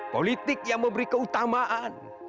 politik yang memberi keutamaan